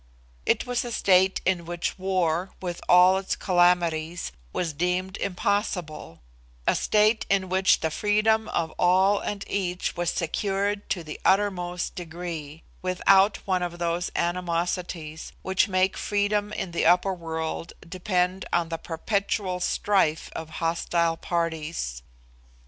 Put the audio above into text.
It was a state in which war, with all its calamities, was deemed impossible, a state in which the freedom of all and each was secured to the uttermost degree, without one of those animosities which make freedom in the upper world depend on the perpetual strife of hostile parties.